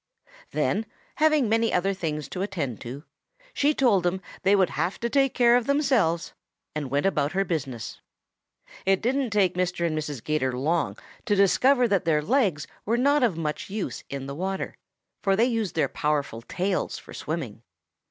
Then, having many other things to attend to, she told them they would have to take care of themselves, and went about her business. "It didn't take Mr. and Mrs. 'Gator long to discover that their legs were not of much use in the water, for they used their powerful tails for swimming.